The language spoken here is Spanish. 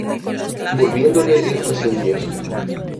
volviéndole estas Indias.